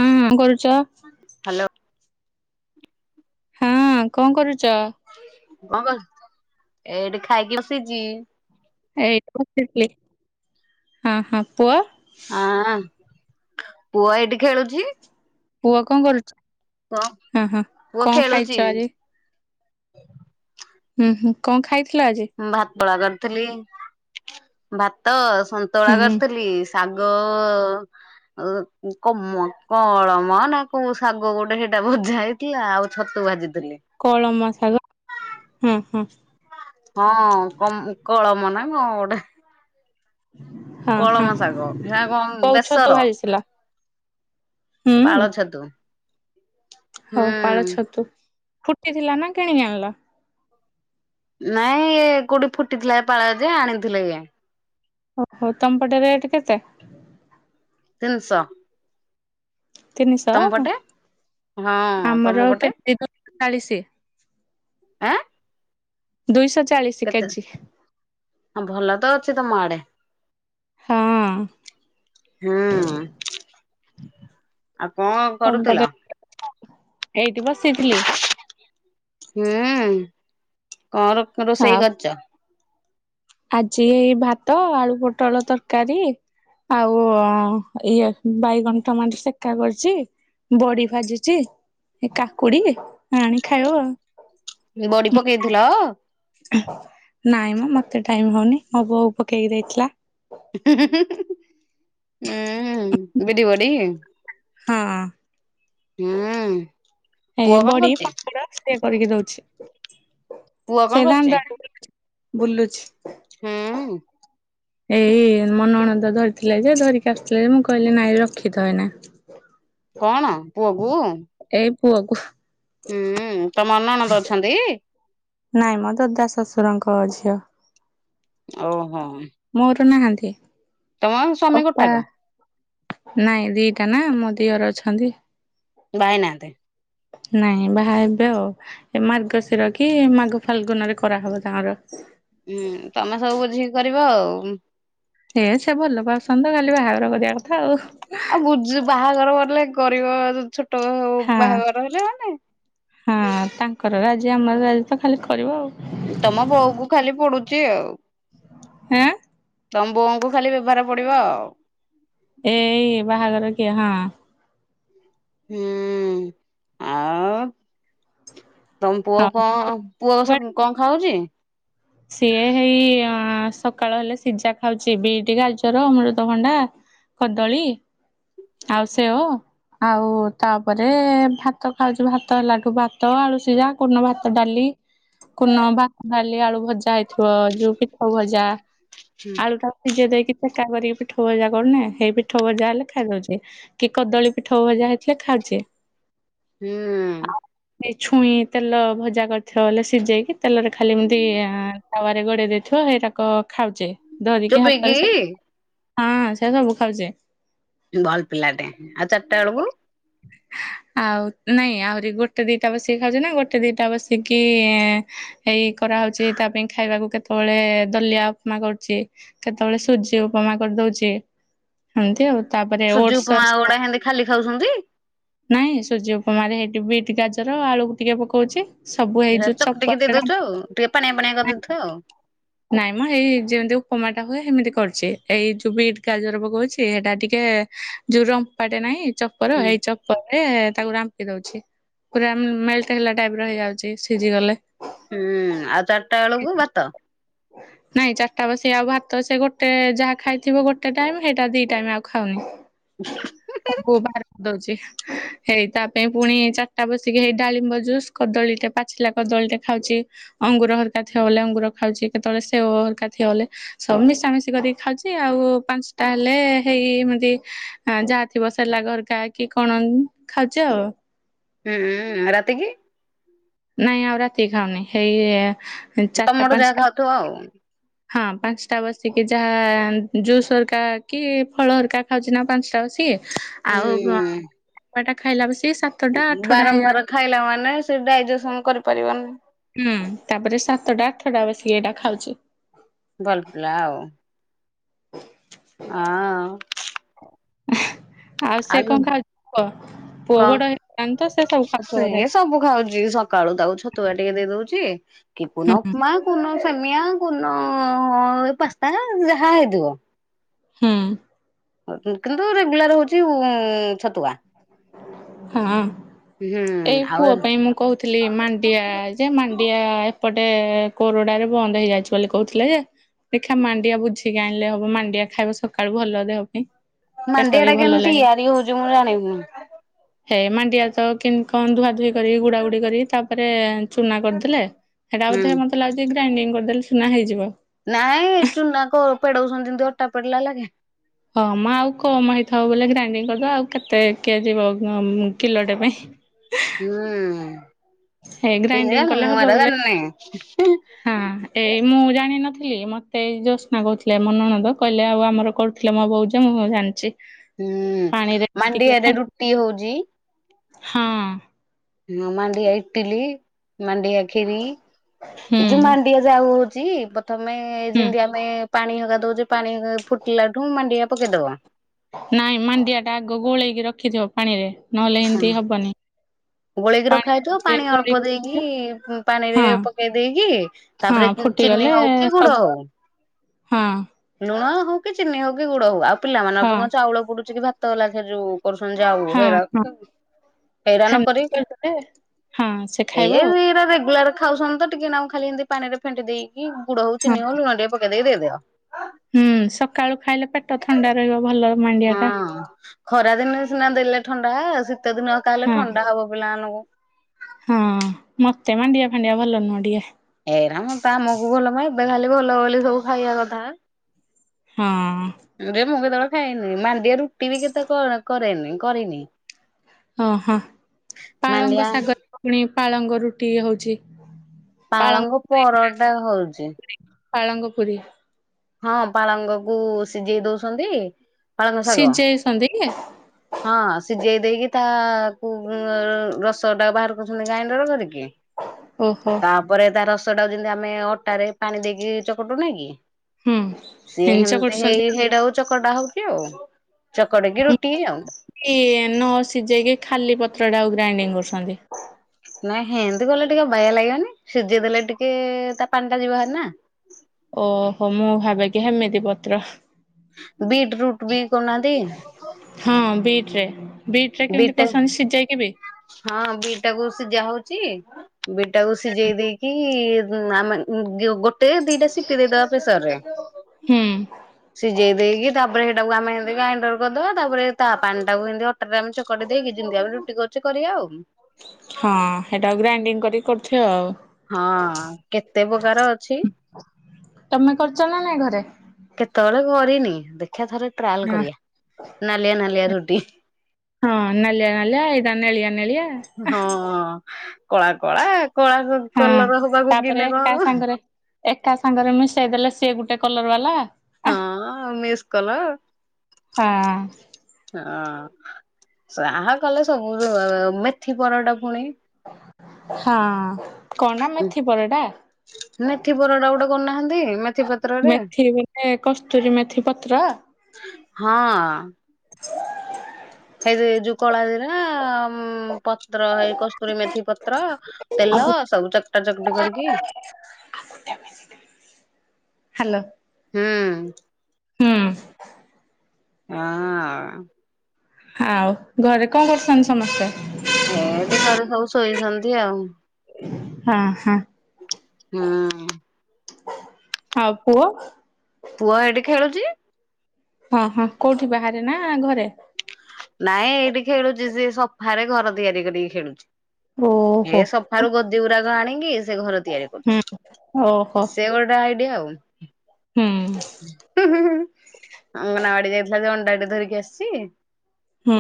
ହଁକଣ କରୁଛ? ହ୍ୟାଲୋ। ହୁଁ କଣ କରୁଛ? କଣ କ ଏଠି ଖାଇକି ବସିଛି। ଏଇ ବସିଥିଲ ହଁ ହଁ ପୁଅ। ହଁ ପୁଅ ଏଇଠି ଖେଳୁଛି। ପୁଅ କଣ କରୁଛ କଣ ହୁଁ ହୁଁ ପୁଅ କଣ ଖେଳୁଛି ଖାଇଛ ଆଜି? ହୁଁ ହୁଁ କଣ ଖାଇଥିଲ ଆଜି? ଭାତୋଳା କରିଥିଲି ଭାତ ସନ୍ତୁଳା ହୁଁ କରିଥିଲି। ଶାଗ ଅ କମ କଳମ ନା କୋଉ ଶାଗ ଗୋଟେ ହେଇଟା ଭଜା ହେଇ ଆଉ ଛତୁ ଭାଜିଥିଲି। କଳମ ଶାଗ ହୁଁ ହୁଁ। ହଁ କମ କଳମ ନା କଣ ଗୋଟେ। ହଁ ହଁ କଳମ ଶାଗ ହେରା କଣ କୋଉ ଛତୁ ବେସର। ଭାଜିଥିଲା? ହୁଁ ପାଳ ଛତୁ। ହଉ ହୁଁ ପାଳ ଛତୁ ଫୁଟିଥିଲା ନା କିଣିକି ଆଣିଲ? ନାଇଁ ଇ କୋଉଠି ଫୁଟିଥିଲା ପାଳ ଯେ ଆଣିଥିଲେ ଇଏ। ଓହୋ ତମପଟେ ରେଟ୍ କେତେ? ତିନିଶହ। ତିନିଶହ ତମ ପଟେ ହଁ ଆମର ତମ ପଟେ? କେଜି ଦୁଇଶହ ଚାଳିଶି। ଆଁ। ଦୁଇଶହ ଚାଳିଶ। କେତେ ହଁ ଭଲ ତ ଅଛି ତମ ଆଡେ। ହଁ ହୁଁ। ଆଉ କଣ ତମ ପଟେ କରୁଥିଲ? ଏଇଠି ବସିଥିଲି। ହୁଁ କଣ ଆଉ ରୋଷେଇ କରଛ? ଆଜି ଏଇ ଭାତ ଆଳୁ ପୋଟଳ ତରକାରୀ ଆଉ ଇଏ ବାଇଗଣ ଟମାଟ ସେକା କରଛି ବଡି ଭାଜିଛି ଏ କାକୁଡି ଆଣି ଖାଇବ ଆଉ। ବଡି ପକେଇଥିଲ? ନାଇଁମ ମତେ ଟାଇମ ହଉନି ମୋ ବୋଉକୁ ପକେଇକି ଦେଇଥିଲା। ହୁଁ ବିଡି ବଡି। ହଁ ଅଁ। ହୁଁ ଉଁ। ଏ ବଡି ପାମ୍ପଡ ସେ କରିକି ଦଉଛି ପୁଅ କଣ ସେ କରୁଛି? ଦାଣ୍ଡ ଆ ବୁଲୁଛି। ହୁଁ ଉଁ। ଏଇ ମନଣନ୍ଦ ଧରିଥିଲା ଯେ ଧରିକି ଆସିଥିଲା ଯେ ମୁଁ କହିଲି ନାଇଁ ରଖିିଥା ଏଇନା। କଣ ପୁଅକୁୁ? ଏଇ ପୁଅକୁୁ। ହୁଁ ତମର ନଣନ୍ଦ ଅଛନ୍ତି? ନାଇଁ ମୋ ଦଦା ଶଶୁରଙ୍କ ଝିଅ ଓହୋ। ମୋର ନାହାନ୍ତି ତମ ସ୍ୱାମୀ ଅପା ଗୋଟାକ ନାଇଁ ଦିଟା ନା ମୋ ଦିଅର ଅଛନ୍ତି। ବାହ ହେଇ ନାହାଁନ୍ତି। ନାଇଁ ବାହା ହେବେ ଆଉ ଏ ମାର୍ଗଶିର କି ମାଗ ଫାଲ୍ଗୁନରେ କରାହବ ତାଙ୍କର। ହୁଁ ତମେ ସବୁ ବୁଝିକି କରିବ ଆଉ। ହେ ସେ ଭଲ ପାଉଛନ୍ତି ଖାଲି ବାହାଘର କରିବାଆ କ ଆଉ ବୁ ବାହାଘର ବଲେ ଗରିବ ଛୋଟ ହଁ ବାହାଘର ହେଲେ ମାନେ ହଁ ତାଙ୍କର ରାଜି ଆମର ରାଜି ତ ଖାଲି କରିବ ଆଉ। ତମ ବୋଉ କୁ ଖାଲି ପଡୁଛି ଆଉ। ଆଁ ତମ ବୋଉ ଙ୍କୁ ଖାଲି ବ୍ୟବହାର ପଡିବ ଆଉ। ଏଇ ବାହାଘର କିଏ ହଁ। ହୁଁ ଆଉ ତମପୁଅ ହଉ। କଣ? ପୁଅ ସବୁ କଣ ଖାଉଛି? ସିଏ ହେଇ ସକାଳ ହେଲେ ସିଝା ଖାଉଛି ବିଟି ଗାଜର ଅମୃତଭଣ୍ଡା କଦଳୀ ଆଉ ସେଓ ଆଉ ତାପରେ ଭାତ ଖାଉଛୁ ଭାତ ହେଲାଠୁ ଭାତ ଆଳୁ ସିଯା କୂନ ଭାତ ଡାଲି। କୁନ ବା ବାଲି ଆଳୁ ଭଜା ହେଇଥିବ ଯୋଉ ପଠ ଭଜା ହୁଁ ଆଳୁ ସିଜେ ଦେଇକି ଚେକା କରିକି ପିଠ ଭଜା କରୁନେ ସେଇ ପିଠ ଭଜା ହେଲେ ଖାଇଦାଉଛି। କି କଦଳୀ ପିଠା ଭଜା ହେଇଥିଲା ଖାଉଛି। ହୁଁ। ଛୁଇଁ ତେଲ ଭଜା କରିଥିବ ହେଲେ ସିଝେଇକି ତେଲରେ ଖାଲି ଏମିତି ତାୱରେ ଗୋଡେଇ ଦେଇଥିବ। ସେଇଟାକ ଖାଉଛେ ଧରିକି ଚୋବେଇକି ହାତରେ ହଁ ସେ ସବୁ ଖାଉଛି। ଭଲ ପିଲାଟେ ଆଉ ଚାରିଟା ବେଳକୁ? [inaudible] ଆଉ ନାଇଁ ଆହୁରି ଗୋଟେ ଦିଟା ବସିକି ଖାଉଛନା ଗୋଟେ ଦିଟା ବସିକି ଏଇ କରାହଉଛି ତା ପାଇଁ ଖାଇବାକୁ। କେତେବେଳେ ଦଲିଆଉପମା କରୁଛି। କେତେବେଳେ ସୁଜି ଉପମା କରିଦଉଛି। ଏମତି ଆଉ ତାପରେ ସୁଜି ଓଟ୍ସ ଉପମା ଗୁଡା ହେନ୍ତି ଖାଲି ଖାଉଛନ୍ତି? ନାଇଁ ସୁଜି ଉପମାରେ ହେଇଠି ବିଟ୍ ଗାଜର ଆଳୁକୁ ଟିକେ ପକଉଛି। ଏହା ଚକୁଟିକି ଦେଇଦଉଛ ଆଉ। ଟିକେ ପାଣିଆ ପାଣିଆ କରିଦଉଥିବ ଆଉ। ନାଇଁ ମ ଏଇ ଯେମିତି ଉପମାଟା ହୁଏ ସେମିତି କରୁଛି। ଏଇ ଯୋଉ ବିଟ ଗାଜର ପକଉଛି ସେଇଟା ଟିକେ ଯୋଉ ରମ୍ପାଟେ ନାହିଁ ଚପର ହୁଁ ଚପର ରେ ତାକୁ ରାମ୍ପି ଦଉଛି। ପୁରା ମେଲଟ ହେଲା ଟାଇପ ହେଇଯାଉଛି ସିଝି ଗଲେ। ହୁଁ ଆଉ ଚାରିଟା ବେଳକୁ ଭାତ? ନାଇଁ ଚାରିଟା ବେଳେ ଆଉ ଭାତ ସେ ଗୋଟେ ଯାହା ଖାଇଥିବ ଗୋଟେ ଟାଇମ ସେଇଟା ଦି ଟାଇମ ଆଉ ଖାଉନି। [unintelligible] ସବୁ ବାହାର କରି ଦଉଛି। ହେଇ ତା ପାଇଁ ପୁଣି ଚାରିଟା ବସିକି ହେଇ ଡାମ୍ବ ଜୁସ କଦଳୀଟେ ପାଚିଲା କଦଳୀଟେ ଖାଉଛି। ଅଙ୍ଗୁର ହରିକା ଥିବାବେଲେ ଅଙ୍ଗୁର ଖାଉଛି। କେତେବେଳେ ସେଓ ହରିକା ଥିବାବେଲେ ସବୁ ମିଶାମିଶି କରିକି ଖାଉଛି। ଆଉ ପାଞ୍ଚଟା ହେଲେ ହେଇ ଏମିତି ହଁ ଯାହା ଥିବ ସେରେଲାକ ଘରକା କି କଣ ଖାଉଛି ଆଉ। ହୁଁ, ରାତିକି? ନାଇଁ ଆଉ ରାତିକି ଖାଉନି, ହେଇ ଚାରିଟା ତମଠୁ ଯାହା ପାଞ୍ଚଟା ଖାଉଥିବ ଆଉ। ହଁ ପାଞ୍ଚଟା ବସିକି ଯାହା ଜୁସ୍ ହରିକା କି ଫଳ ହରିକା ଖାଉଛି ନା ପାଞ୍ଚଟା [unintelligible] ଆଉ ହୁଁ ଟା ଖାଇଲା [unintelligible] ସା ବାରମ୍ବାର ଖାଇଲା ମାନେ ସେ ଡାଇଜେସନ୍ କରିପାରିବନି। ହୁଁ ତାପରେ ସାତଟା ଆଠଟା ବସିକି ଏଇଟା ଖାଉଚି। ଭଲ୍ ପିଲା ଆଉ। ହଁ। [unintelligible] ଆଉ ସେ ଆଲୁ କଣ [unintelligible] କୁହ, ପୁଅ କଣ ବଡ ହେଇଗଲାଣି ତ ସେ ସବୁ ଖାଉଥିବ ସିଏ ବୋଧେ? ସବୁ ଖାଉଚି, ସକାଳୁ ତାକୁ ଛତୁଆ ଟିକେ ଦେଇ ଦଉଚି କି କୋଉନ ହୁଁ ଉପମା କୋଉନ ସେମିଆଁ କୋଉନ ପାସ୍ତା ଯାହା ହେଇଥିବ ହୁଁ। କିନ୍ତୁ ରେଗୁଲାର୍ ହଉଚି ଉଁ ଛତୁଆ। ହଁ, ହୁଁ ଏଇ ଆଉ ପୁଅ ପାଇଁ ମୁଁ କହୁଥିଲି ମାଣ୍ଡିଆ ଯେ ମାଣ୍ଡିଆ ଏପଟେ କୋରଡାରେ ବନ୍ଦ ହେଇଯାଇଚି ବୋଲି କହୁଥିଲେ ଯେ। ଦେଖା ମାଣ୍ଡିଆ ବୁଝିକି ଆଣିଲେ ହବ, ମାଣ୍ଡିଆ ଖାଇବ ସକାଳୁ ଭଲ ଦେହ ପାଇଁ। ପେଟ ବି ମଣ୍ଡଆଟା ଭଲ କମ୍ତି ଲାଗେ ତିଆରି ହଉଚି, ମୁଁ ଜାଣିନି। ହେ ମାଣ୍ଡିଆ ତ କିନ୍ କଣ ଧୁଆ ଧୁଇ କରି ଗୁଡା ଗୁଡି କରି ତାପରେ ଚୁନା କରିଦେଲେ, ସେଟା ହୁଁ ବୋଧେ [unintelligible] [unintelligible] ଲାଗୁଚି ଗ୍ରାଇଣ୍ଡିଙ୍ଗ କରିଦେଲେ [unintelligible] ହେଇଯିବ। ନାଇଁ ଚୁନା କ ପେଡଉଚନ୍ତି, ଯେମ୍ତି ଅଟା ପେଡିଲା ଲାଗେ। ହଁ ମ ଆଉ କମ୍ ହେଇଥାଉ ବୋଲେକେ ଗ୍ରାଇଣ୍ଡିଙ୍ଗ କରିଦବା, ଆଉ କେତେ କିଏ ଯିବ କିଲଟେ ପାଇଁ। [inaudible] ହୁଁ [unintelligible] ହେଇ ଗ୍ରାଇଣ୍ଡିଙ୍ଗ କଲେ ମୁଁ ହବ ବୋଲେ [unintelligible] ଜାଣିନି। ହଁ ଏଇ ମୁଁ ଜାଣିନଥିଲି ମତେ ଏଇ ଜୋସ୍ନା କହୁଥିଲେ ମୋ ନଣଦ, କହିଲେ ଆଉ ଆମର [unintelligible] [unintelligible] ମୋ [unintelligible] ମୁଁ ସବୁ ଜାଣିଚି। ହୁଁ, ମାଣ୍ଡିଆ ରେ ରୁଟି ହଉଚି। ହଁ। ହଁ ମାଣ୍ଡିଆ ଇଟିଲି, ମାଣ୍ଡିଆ କ୍ଷୀରି ହୁଁ ଏଯୋଉ ମାଣ୍ଡିଆ ଯାଉ ହଉଚି ପ୍ରଥମେ ହୁଁ ଯେମ୍ତି ଆମେ ପାଣି [unintelligible] ଦଉଚେ ପାଣି ଫୁଟିଲାଠୁ ମାଣ୍ଡିଆ ପକେଇ ଦେବ। ନାଇଁ ମାଣ୍ଡିଆଟା ଆଗ ଗୋଳେଇକି ରଖିଥିବ ପାଣିରେ ନହେଲେ ଏନ୍ତି ହବନି। ଗୋଳେଇକି ରଖା ପାଣିରେ ହେଇଥିବ, ଟିକେ ପାଣି ଅଳ୍ପ ଗୋଳେଇକି ରଖିଥିବ ଦେଇକି ପାଣିରେ ହଁ ପକେଇ ଦେଇକି ହଁ, ତାପରେ ଚିନି ଫୁଟିଗଲେ ହଉ କି ଗୁଡ ହଉ [unintelligible] ହଁ। ଲୁଣ ହଉ କି ଚିନି ହଉ କି ଗୁଡ ହଉ ଆଉ ହଁ ପିଲାମାନଙ୍କ ଚାଉଳ ପଡୁଚି କି ଭାତ ଗଲା ସେ ଯୋଉ କରୁଚନ୍ତି ଯାଉ, ହେରା ହଁ ହେରା ନ ସେମିତି କରି [unintelligible] କରିଦେଲେ ହଁ ସେ ଖାଇବ ଆଉ [unintelligible] ରେଗୁଲାର୍ ଖାଉଚନ୍ତି ତ ଟିକେ ନାଗୁ ଖାଲି ଏନ୍ତି ପାଣିରେ ଫେନ୍ଟି ଦେଇକି ଗୁଡ ହଉ ହଁ ଚିନି ହଉ ଲୁଣ ଟିକେ ପକେଇ ଦେଇକି ଦେଇ ଦିଅ। ହୁଁ ସକାଳୁ ଖାଇଲେ ପେଟ ଥଣ୍ଡା ରହିବ ଭଲ ମାଣ୍ଡିଆ ଟା। ହଁ ଖରା ଦିନ ସିନା ଦେଲେ ଥଣ୍ଡା, ଶୀତ ଦିନ ହେକା ହେଲେ ହଁ ଥଣ୍ଡା ହବ ପିଲାମାନଙ୍କୁ। ହଁ, ମତେ ମାଣ୍ଡିଆ ଫାଣ୍ଡିଆ ଭଲ ନୁହଁ ଟିକେ। ଏଇରା ତ ଆମକୁ ଭଲ ପାଇଁ ଏବେ ଖାଲି ଭଲ ବୋଲି ସବୁ ଖାଇବା କଥା। ହଁ। ଯେ ମୁଁ କେତେବେଳେ ଖାଇନି ମାଣ୍ଡିଆ ରୁଟି ବି କେତେ କଣ କରେନି କରିନି ହଁ ହଁ ପାଳଙ୍ଗ ମାଣ୍ଡିଆ ଶାଗରରେ ପୁଣି ପାଳଙ୍ଗ ରୁଟି ହଉଛି। ପାଳଙ୍ଗ ପୁରୀ ଗୁରା ପରଟା ହଉଛି ପୁରୀ ପାଳଙ୍ଗ ପୁରୀ। ହଁ ପାଳଙ୍ଗ କୁ ସିଝେଇ ଦଉଛନ୍ତି ପାଳଙ୍ଗ ଶାଗ ସିଝେଇଛନ୍ତି କି ହଁ ସିଝେଇ ଦେଇକି ତା କୁ ରସ ଟା ବାହାର କରୁଛନ୍ତି ଗ୍ରାଇଣ୍ଡର କରିକି। ଓହୋ। ତାପରେ ତା ରସଟାକୁ ଯେମିତି ଆମେ ଅଟାରେ ପାଣି ଦେଇକି ଚକଟୁନେକି ହୁଁ ସିଏ ହେଞ୍ଚ ହେମିତି କରୁଛନ୍ତି ହେଇ ହେଇଟା ଚକଟା ହଉଛି ଆଉ ଚକଟି କିି ରୁଟି ଆଉ ଏଇ ନ ସିଝେଇକି ଖାଲି ପତ୍ର ଟା କୁ ଗ୍ରାଇଣ୍ଡିଙ୍ଗ କରୁଛନ୍ତି। ନାଇଁ ହେଇଁତି କଲେ ଟିକେ ଅବାଗିୟା ଲାଗିବନି ସିଝେଇ ଦେଲେ ଟିକେ ତା ପାଣି ଟା ଯିବ ବହାରି ନା। ଓହୋ ମୁଁ ଭାବେକି ହେମିତି ପତ୍ର ବିଟ୍ ରୁଟ୍ ବି କରୁନାହାନ୍ତି କି? ହଁ ବିଟ୍ ରେ ବିଟ୍ ରେ କେମିତି କରୁଛନ୍ତି ସିଯେଇକି ବି। ହଁ ବିଟ୍ ଟାକୁ ସିଯାହଉଚି ବିଟ୍ ଟାକୁ ସିଝେଇ ଦେଇକି କି ମା ମାନେ ଗୋଟେ ଦିଇଟା ସିଟି ଦେଇଦବା ପେସରରେ। ହୁଁ ସିଝେଇ ଦେଇକି ତାପରେ ହେଇଟାକୁ ଆମେ ହେମିତ ଗ୍ରାଇଣ୍ଡର କରିଦବା ତାପରେ ତା ପାଣି ଟାକୁ ଏମିତି ଅଟ୍ ତାପରେ ଅଟା ଚକଡି ଦେଇକି ଯେମିତି ଆମେ ରୁଟି କରୁଛେ କରିବା ଆଉ ହଁ ହେଟା କୁ ଗ୍ରାଇଣ୍ଡିଙ୍ଗ କରିକି କରିୁଥିବ ଆଉ ହଁ କେତେ ପ୍ରକାର ଅଛି ତମେ କରୁଛ ନା ନାଇଁ ଘରେ। କେତେବେଳେ କରିନି ଦେଖିବା ଥରେ ଟ୍ରାଏଲ ହଁ କରିବା ନାଲିଆ ନାଲିଆ ରୁଟି ଇହଁ ହଁ ନାଲିଆ ନାଲିଆ ଏଇଟା ନେଳିଆ ନେଳିଆ ଅହଁ ହଁ କଳା କଳା କଳା ହଁ କଲର ହେବାକୁ କୁ ତାପରେ ଗିନେ କଣ ଏକା ଉଁ ହୁଁ ସାଙ୍ଗରେ ଏକା ସାଙ୍ଗରେ ମିଶେଇଦେଲେ ସିଏ ଗୋଟେ କଲର ବାଲା ହଁ ଆଉ ମିସ୍ କଲ ହଁ ହଁ ଯାହା କଲେ ସବୁ ରୁ ମେଥି ପରଟା ପୁଣି ହଁ କଣ ଟା ମେଥିପରଟା ମେଥି ପରଟା ଗୋଟେ କରୁନାହାନ୍ତି ମେଥି ପତ୍ରରେ ମେଥି ବୋଲେ କସ୍ତୁରୀ ମେଥି ପତ୍ର ହଁ [inaudible] ହେଇ ଯୋଉ କଲା ଜିରା ଉଁ ପତ୍ର ଏଇ କସ୍ତୁରୀ ମେଥି ପତ୍ର ତେଲ ସବୁ ଚକଟା ଚକଟି କରିକି। ହ୍ୟାଲୋ। ହୁଁ। ହୁଁ। ହଁ ଆଉ ଘରେ କଣ କରୁଛନ୍ତି ସମସ୍ତେ। ହେଇଟି ଘରେ ସବୁ ଶୋଇଛନ୍ତି ଆଉ। ହଁ ହଁ। ଉଁ। ଆଉ ପୁଅ। ପୁଅ ହେଟି ଖେଳୁଛି। ହଁ ହଁ କୋଉଠି ବାହାରେ ନା ଘରେ। ନାଇଁ ଏଇଠି ଖେଳୁଛି ସେ ସଫାରେ ଘର ତିଆରି କରିକି ଖେଳୁଛି ଓହୋ। ଏ ସ। ଠାରୁ ଗଦି ଗୁଡାକ ଆଣିକି ସେ ଘର ତିଆରି କରୁଛି। ହୁଁ ଓହୋ ସେ ଗୋଟେ ଆଇଡିଆ ଆଉ। ହଁ ହୁଁ ଅଙ୍ଗନବାଡି ଯାଇଥିଲା ଯେ ଅଣ୍ଡାଟେ ଧରିକି ଆସିଛି। ହୁଁ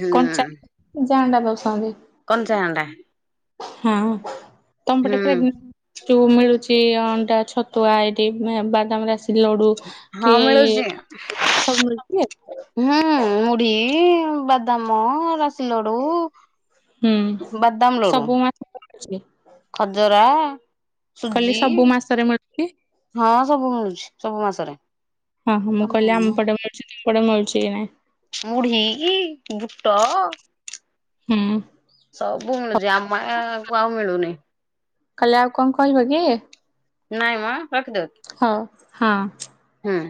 ହୁଁ କଞ୍ଚା ସିଝା ଅଣ୍ଡା ଦଉଛନ୍ତି? କଞ୍ଚା ଅଣ୍ଡା। ହଁ ହୁଁ ତମପଟେ ପ୍ରେଗଣ୍ଟ କିଉ ମିଳୁଛି ଅଣ୍ଡା ଛତୁଆ ଏଇଠି ବାଦାମ ରାସି ଲଡୁ ହଁ କି ଏଇ ମିଳୁଛି। ସବୁ ମିଳଛି ଆଉ। ହୁଁ, ମୁଢି, ବାଦାମ ରସ ଲୋଡୁ, ବଦାମ ଲୋଡୁ। ି [unintelligible] ଖଜରା, କହିଲି ସୁଜି ସବୁ ମାସରେ ମିଳୁଛି? ହଁ ସବୁ ମିଳୁଛି। ସବୁ ମାସରେ। ହଁ ହଁ ମୁଁ କହିଲି ଆମପଟେ ମିଳୁଛି। ସେ ପଟେ ମିଳୁଛି କି ନାଇଁ। ମୁଢି, ବୁଟ ହୁଁ ସବୁ ମିଳୁଛି ଆମା ଆକୁ ଆଉ ମିଳୁନି। କାଲି ଆଉ କଣ କହିବ କି? ନାଇଁ ମ ରଖିଦେଉଚି। ହଉ ହାଁ। ହୁଁ